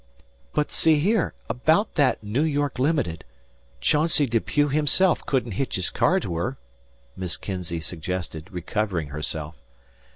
"But see here, about that Noo York Limited. Chauncey Depew himself couldn't hitch his car to her," Miss Kinzey suggested, recovering herself.